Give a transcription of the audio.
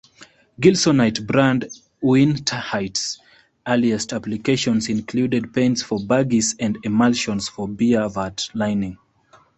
Gilsonite-brand uintahite's earliest applications included paints for buggies and emulsions for beer-vat lining.